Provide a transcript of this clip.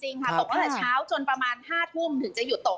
ค่ะตกตั้งแต่เช้าจนประมาณ๕ทุ่มถึงจะหยุดตก